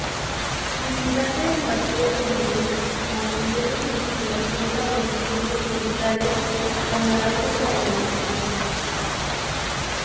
Militante del Partido Comunista, manteniendo su vinculación a organizaciones sindicales, trasladándose a La Ligua.